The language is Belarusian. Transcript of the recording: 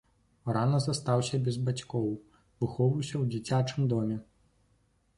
Рана застаўся без бацькоў, выхоўваўся ў дзіцячым доме.